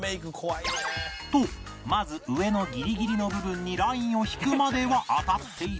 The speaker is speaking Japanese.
とまず上のギリギリの部分にラインを引くまでは当たっていたが